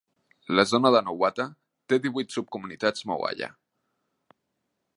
La zona de Nowhatta té divuit subcomunitats mohalla.